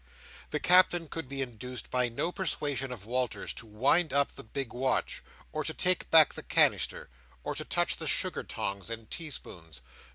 The Captain could be induced by no persuasion of Walter's to wind up the big watch, or to take back the canister, or to touch the sugar tongs and teaspoons.